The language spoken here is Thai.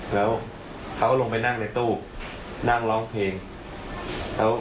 แล้วเขาลงไปนั่งในตู้นั่งร้องเพลง